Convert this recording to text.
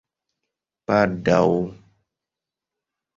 baldaŭ